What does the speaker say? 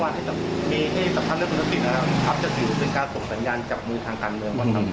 จะติดอยู่ด้วยการส่งสัญญาณจับมือทางการเมืองไหมครับ